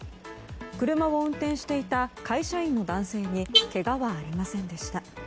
車を運転していた会社員の男性にけがはありませんでした。